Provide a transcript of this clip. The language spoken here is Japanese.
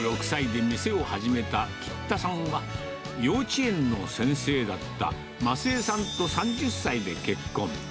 ２６歳で店を始めた橘田さんは、幼稚園の先生だったますえさんと、３０歳で結婚。